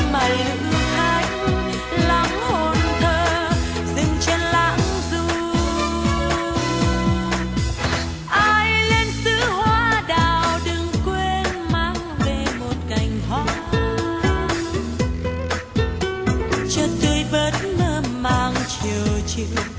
màu hoa trên mái